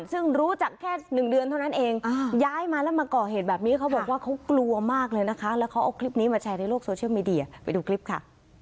ซึ่งรู้จักแค่๑เดือนเท่านั้นเองย้ายมาแล้วมาก่อเหตุแบบนี้เขาบอกว่าเขากลัวมากเลยนะคะแล้วเขาเอาคลิปนี้มาแชร์ในโลกโซเชียลมีเดียไปดูคลิปค่ะ